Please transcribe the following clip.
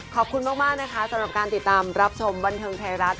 ขอบคุณมากนะคะสำหรับการติดตามรับชมบันเทิงไทยรัฐ